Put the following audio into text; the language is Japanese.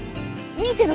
２．６。